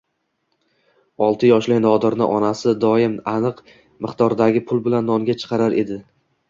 Olti yoshli Nodirni onasi doim aniq miqdordagi pul bilan nonga chiqarar edi.